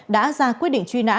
đã ra quyết định truy nã